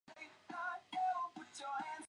祗陀林列为扬州市文物保护单位。